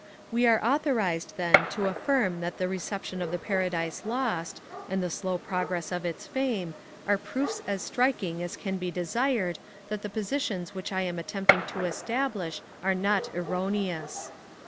We are authorized, then, to affirm that the reception of the Paradise Lost, and the slow progress of its fame, are proofs as striking as can be desired that the positions which I am attempting to establish are not erroneous.